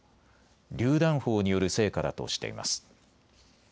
りゅう弾砲による成果だとしています。